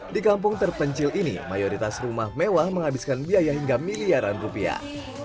di kampung terpencil ini mayoritas rumah mewah menghabiskan biaya hingga miliaran rupiah